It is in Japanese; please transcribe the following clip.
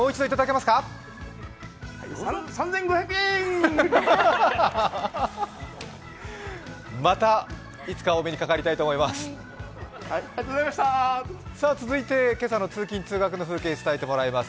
また、いつかお目にかかりたいと思います。